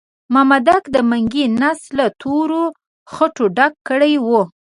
مامدک د منګي نس له تورو خټو ډک کړی وو.